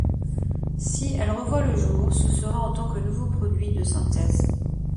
Si elle revoit le jour, ce sera en tant que nouveau produit de synthèse.